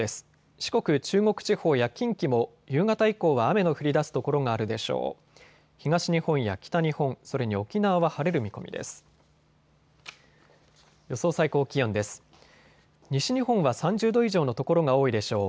四国、中国地方や近畿も夕方以降は雨の降りだす所があるでしょう。